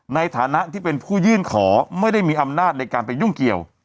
ในฐานะที่เป็นผู้ยื่นขอไม่ได้มีอำนาจในการไปยุ่งเกี่ยว